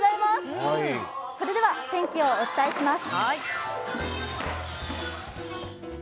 それでは天気をお伝えします。